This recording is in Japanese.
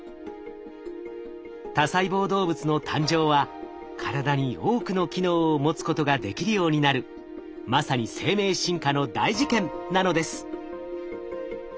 多細胞動物の誕生は体に多くの機能を持つことができるようになるまさに生命進化の大事件なのです。